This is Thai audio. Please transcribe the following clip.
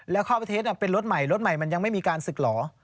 แล้วเข้าประเทศเป็นรถใหม่รถใหม่มันยังไม่มีการศึกเหรอ